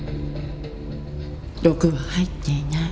毒は入っていない。